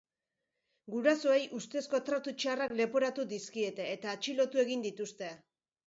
Gurasoei ustezko tratu txarrak leporatu dizkiete eta atxilotu egin dituzte.